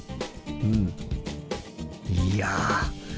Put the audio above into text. うん。いや！